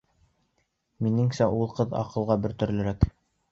Минеңсә, ул ҡыҙ аҡылға бер төрлөрәк.